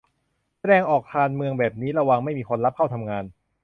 แสดงออกการเมืองแบบนี้ระวังไม่มีคนรับเข้าทำงาน